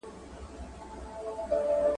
چي هر څه يې پيدا کړي دي.